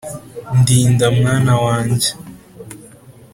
"ndinda mwana wange."